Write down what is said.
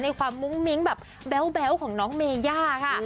ความมุ้งมิ้งแบบแบ๊วของน้องเมย่าค่ะ